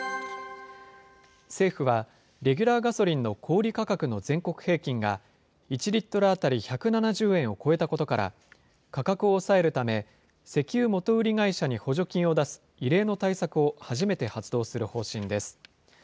政府は、レギュラーガソリンの小売り価格の全国平均が、１リットル当たり１７０円を超えたことから、価格を抑えるため、石油元売り会社に補助金を出す、異例の対策を初めて発動する方針です。